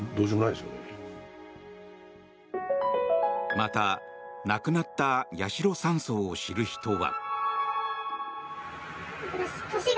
また、亡くなった八代３曹を知る人は。